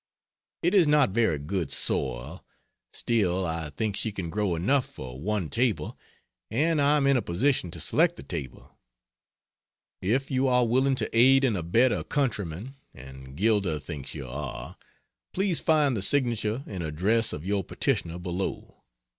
It is not very good soil, still I think she can grow enough for one table and I am in a position to select the table. If you are willing to aid and abet a countryman (and Gilder thinks you are,) please find the signature and address of your petitioner below.